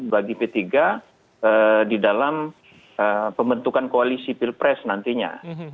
bagi p tiga di dalam pembentukan koalisi pilpres nantinya